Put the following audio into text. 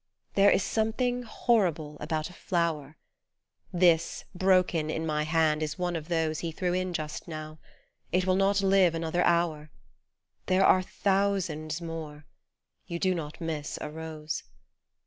There is something horrible about a flower ; This, broken in my hand, is one of those He threw in just now : it will not live another hour ; There are thousands more : you do not miss a rose.